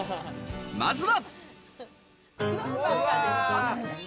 まずは。